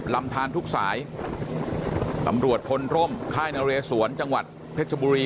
ลำทานทุกสายตำรวจพลร่มค่ายนเรสวนจังหวัดเพชรบุรี